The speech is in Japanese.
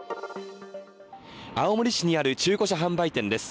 青森市にある中古車販売店です。